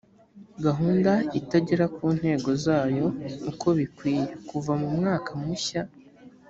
gahunda itagera ku ntego zayo uko bikwiye kuva mu mwaka mushya